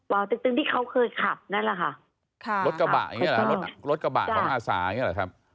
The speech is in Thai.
ตึ๊กตึงที่เขาเคยขับนั่นแหละค่ะรถกระบะอย่างเงี้เหรอรถรถกระบะของอาสาอย่างเงี้เหรอครับ